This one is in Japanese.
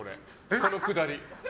このくだり。